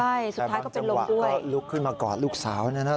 ใช่สุดท้ายก็เป็นจังหวะก็ลุกขึ้นมากอดลูกสาวนะครับ